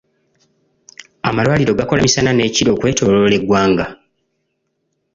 Amalwaliro gakola misana n'ekiro okwetooloola eggwanga.